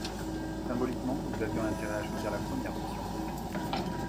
Symboliquement, nous avions intérêt à choisir la première option.